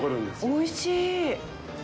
おいしい。